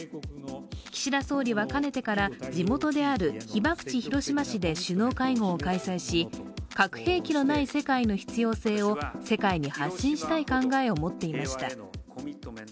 岸田総理はかねてから地元である被爆地・広島で首脳会合を開催し核兵器のない世界の必要性を世界に発信したい考えを持っていました。